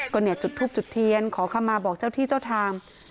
ก็เนี่ยจุดทูปจุดเทียนขอคำมาบอกเจ้าที่เจ้าทาง